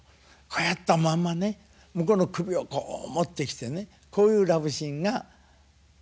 こうやったまんまね向こうの首をこう持ってきてねこういうラブシーンが。